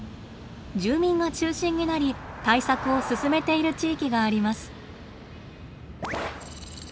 住民が中心になり対策を進めている地域があります。